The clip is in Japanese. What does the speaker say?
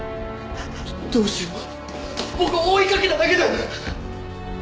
どうしよう僕追いかけただけで。